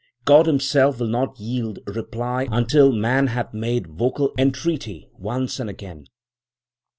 God Himself will not yield reply until man hath made vocal entreaty, once and again.